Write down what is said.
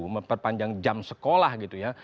memperpanjang jam sekolah gitu ya